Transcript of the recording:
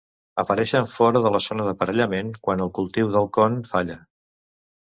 Apareixen fora de la zona d'aparellament quan el cultiu del con falla.